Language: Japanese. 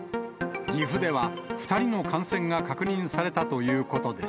岐阜では２人の感染が確認されたということです。